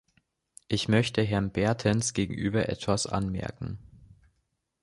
Ich möchte Herrn Bertens gegenüber etwas anmerken.